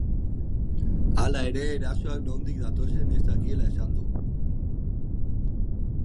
Hala ere, erasoak nondik datozen ez dakiela esan du.